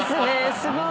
すごーい。